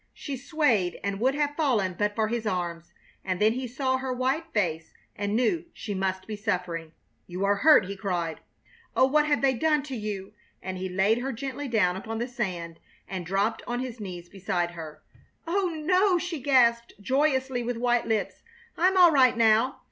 She swayed and would have fallen but for his arms, and then he saw her white face and knew she must be suffering. "You are hurt!" he cried. "Oh, what have they done to you?" And he laid her gently down upon the sand and dropped on his knees beside her. "Oh no," she gasped, joyously, with white lips. "I'm all right now.